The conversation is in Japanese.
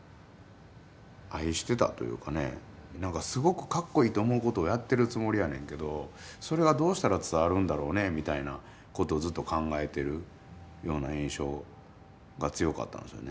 なんかすごくかっこいいと思うことをやってるつもりやねんけどそれがどうしたら伝わるんだろうねみたいなことをずっと考えてるような印象が強かったんですよね。